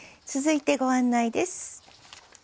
続いてご案内です。